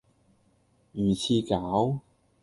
魚翅餃